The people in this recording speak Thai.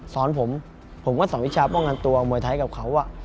สอนผมผมก็สอนวิชาป้องกันตัวมวยไทยกับเขา